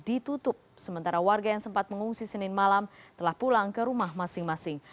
ditutup sementara warga yang sempat mengungsi senin malam telah pulang ke rumah masing masing